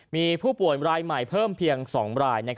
มีผู้ป่วยรายใหม่เพิ่มเพียง๒ราย